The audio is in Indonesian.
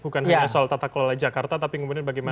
bukan hanya soal tata kelola jakarta tapi kemudian bagaimana